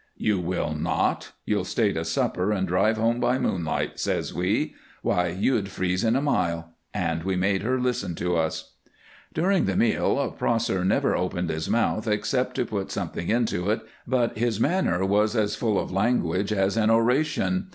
"You will not. You'll stay to supper and drive home by moonlight," says we. "Why, you'd freeze in a mile!" And we made her listen to us. During the meal Prosser never opened his mouth except to put something into it, but his manner was as full of language as an oration.